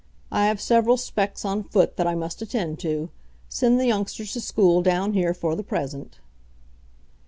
I have several specs. on foot that I must attend to. Send the youngsters to school down here for the present."